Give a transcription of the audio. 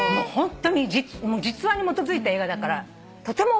実話に基づいた映画だからとても面白い。